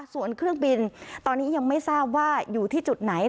ส่วนเครื่องบินตอนนี้ยังไม่ทราบว่าอยู่ที่จุดไหน